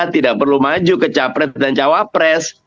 tidak perlu maju ke capres dan cawapres